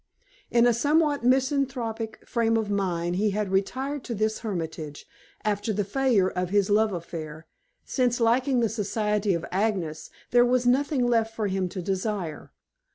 In a somewhat misanthropic frame of mind he had retired to this hermitage, after the failure of his love affair, since, lacking the society of Agnes, there was nothing left for him to desire.